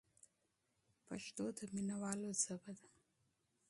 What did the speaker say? پښتو د مینوالو ژبه ده.